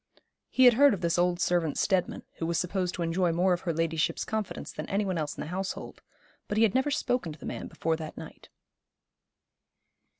He had heard of this old servant Steadman, who was supposed to enjoy more of her ladyship's confidence than any one else in the household; but he had never spoken to the man before that night.